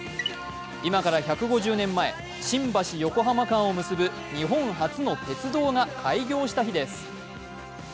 今から１５０年前、新橋−横浜間を結ぶ日本初の鉄道が開業した日です。